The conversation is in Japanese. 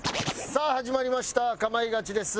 さあ始まりました『かまいガチ』です。